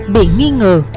bị nghi ngờ